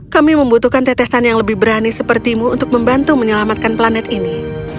kami membutuhkan tetesan yang lebih berani sepertimu untuk membantu menyelamatkan planet ini